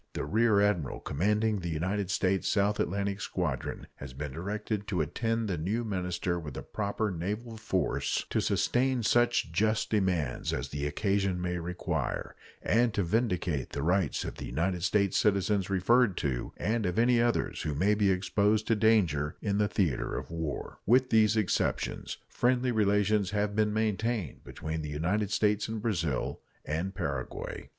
The rear admiral commanding the United States South Atlantic Squadron has been directed to attend the new minister with a proper naval force to sustain such just demands as the occasion may require, and to vindicate the rights of the United States citizens referred to and of any others who may be exposed to danger in the theater of war. With these exceptions, friendly relations have been maintained between the United States and Brazil and Paraguay.